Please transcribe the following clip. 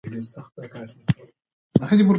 د ژوند پر مهال پېژندل شوې لیکواله وه.